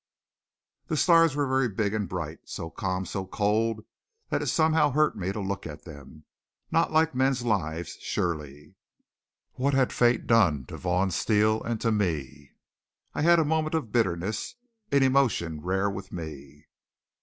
The stars were very big and bright, so calm, so cold, that it somehow hurt me to look at them. Not like men's lives, surely! What had fate done to Vaughn Steele and to me? I had a moment of bitterness, an emotion rare with me.